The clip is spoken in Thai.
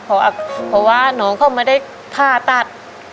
เพราะว่าน้องเขาไม่ได้ฆ่าตัด